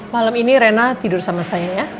malam ini rena tidur sama saya ya